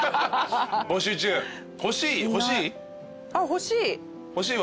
欲しい。